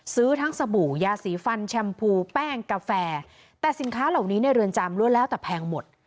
ซื้อทั้งสบู่ยาสีฟันแชมพูแป้งกาแฟแต่สินค้าเหล่านี้ในเรือนจำล้วนแล้วแต่แพงหมด